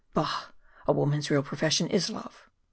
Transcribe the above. "Bah! A woman's real profession is love."